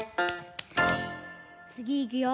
つぎいくよ。